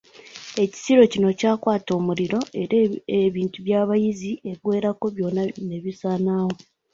Ekisulo kino kyakwata omuliro era ebintu by'abayizi ebiwerako byonna ne bisaanawo.